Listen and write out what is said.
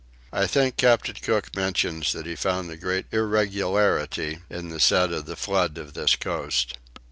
I think Captain Cook mentions that he found great irregularity in the set of the flood on this coast.